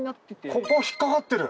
ここ引っ掛かってる。